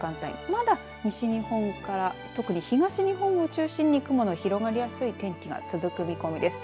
まだ西日本から特に東日本を中心に雲が広がりやすい天気が続く見込みです。